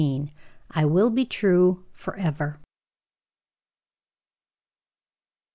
"I WILL BE TRUE FOREVER."